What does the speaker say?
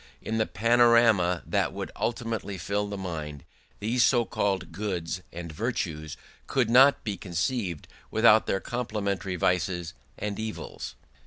In the panorama that would ultimately fill the mind these so called goods and virtues could not be conceived without their complementary vices and evils.